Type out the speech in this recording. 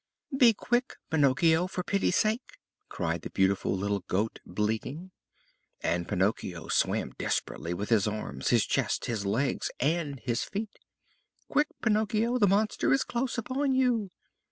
"Be quick, Pinocchio, for pity's sake!" cried the beautiful little goat, bleating. And Pinocchio swam desperately with his arms, his chest, his legs, and his feet. "Quick, Pinocchio, the monster is close upon you!"